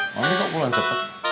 mami kok pulang cepet